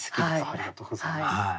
ありがとうございます。